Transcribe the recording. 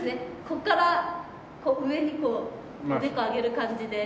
ここから上にこうおでこ上げる感じで。